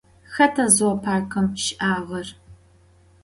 Xeta zooparkım şı'ağer?